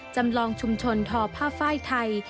จำลองชุมชนทอผ้าไฟไทย